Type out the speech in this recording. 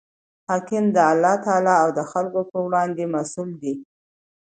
حاکم د الله تعالی او د خلکو پر وړاندي مسئوله دئ.